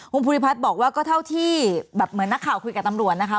คุณภูริพัฒน์บอกว่าก็เท่าที่แบบเหมือนนักข่าวคุยกับตำรวจนะคะ